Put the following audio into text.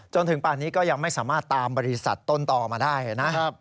จนถึงป่านนี้ก็ยังไม่สามารถตามบริษัทต้นต่อมาได้นะครับ